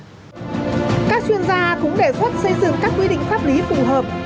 các chuyên gia cũng đề xuất xây dựng các quy định pháp lý phù hợp